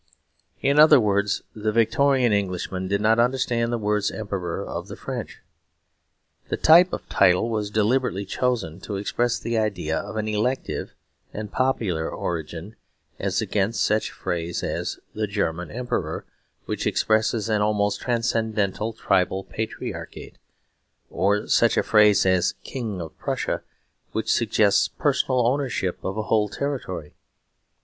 In other words, the Victorian Englishman did not understand the words "Emperor of the French." The type of title was deliberately chosen to express the idea of an elective and popular origin; as against such a phrase as "the German Emperor," which expresses an almost transcendental tribal patriarchate, or such a phrase as "King of Prussia," which suggests personal ownership of a whole territory.